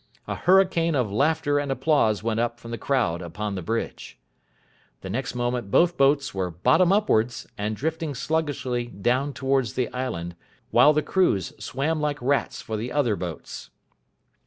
A hurricane of laughter and applause went up from the crowd upon the bridge. The next moment both boats were bottom upwards and drifting sluggishly down towards the island, while the crews swam like rats for the other boats.